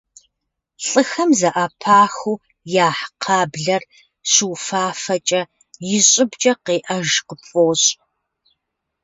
Лӏыхэм зэӏэпахыу яхь кхъаблэр щыуфафэкӏэ, и щӏыбкӏэ къеӏэж къыпфӏощӏ.